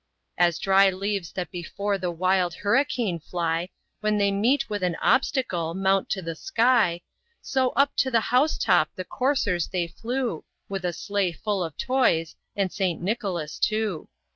As dry leaves that before the wild hurricane fly, When they meet with an obstacle, mount to the sky, So, up to the house top the coursers they flew, With a sleigh full of toys and St. Nicholas too.